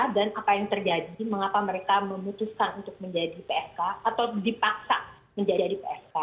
dan apa yang terjadi mengapa mereka memutuskan untuk menjadi psk atau dipaksa menjadi psk